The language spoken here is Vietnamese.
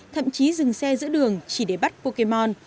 thậm chí dừng xe giữa đường chỉ để bắt pokemon